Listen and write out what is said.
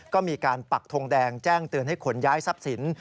ก็มีการปักทงแดงแจ้งเตือนให้ขนย้ายทรัพย์สิน